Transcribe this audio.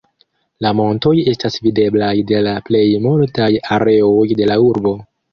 La montoj estas videblaj de la plej multaj areoj de la urbo.